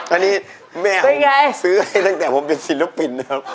อันนี้แม่ซื้อให้ตั้งแต่ผมเป็นศิลปินนะครับ